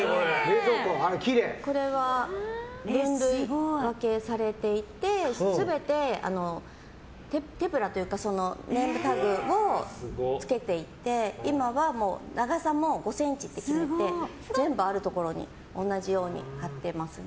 全部色分けされていて全てテプラというかネームタグをつけていて今は長さも５ｃｍって決めて全部あるところに同じように貼ってますね。